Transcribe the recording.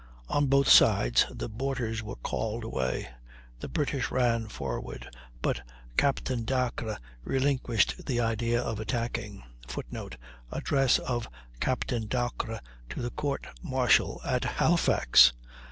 On both sides the boarders were called away; the British ran forward, but Captain Dacres relinquished the idea of attacking [Footnote: Address of Captain Dacres to the court martial at Halifax.